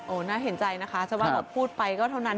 โอ้น่าเห็นใจนะคะถ้าว่าแบบพูดไปก็เท่านั้น